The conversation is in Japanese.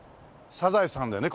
『サザエさん』でね